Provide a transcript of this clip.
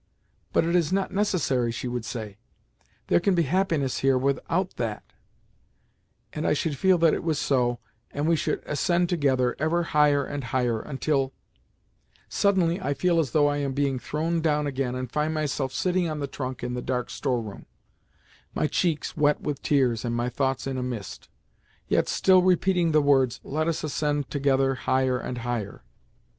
"But it is not necessary," she would say. "There can be happiness here without that,"—and I should feel that it was so, and we should ascend together, ever higher and higher, until—Suddenly I feel as though I am being thrown down again, and find myself sitting on the trunk in the dark store room (my cheeks wet with tears and my thoughts in a mist), yet still repeating the words, "Let us ascend together, higher and higher."